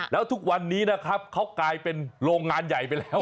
แล้วทุกวันนี้นะครับเขากลายเป็นโรงงานใหญ่ไปแล้ว